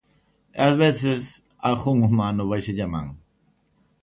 E ás veces, a algún humano, váiselle a man.